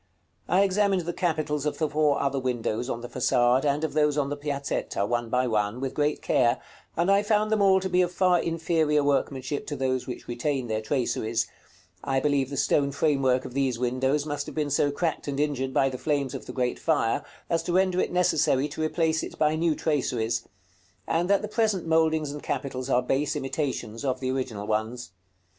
I examined the capitals of the four other windows on the façade, and of those on the Piazzetta, one by one, with great care, and I found them all to be of far inferior workmanship to those which retain their traceries: I believe the stone framework of these windows must have been so cracked and injured by the flames of the great fire, as to render it necessary to replace it by new traceries; and that the present mouldings and capitals are base imitations of the original ones.